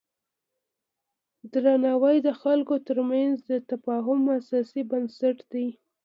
درناوی د خلکو ترمنځ د تفاهم اساسي بنسټ دی.